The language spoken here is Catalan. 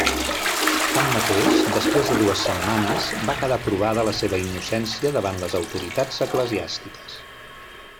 Tanmateix, després de dues setmanes, va quedar provada la seva innocència davant les autoritats eclesiàstiques.